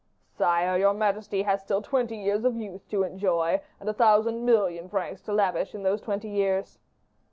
"Sire, your majesty has still twenty years of youth to enjoy, and a thousand million francs to lavish in those twenty years."